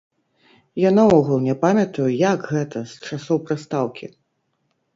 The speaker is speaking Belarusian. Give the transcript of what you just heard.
Я наогул не памятаю, як гэта, з часоў прыстаўкі.